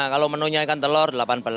kalau menunya ikan telur delapan belas